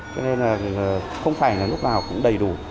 cho nên là không phải là lúc nào cũng đầy đủ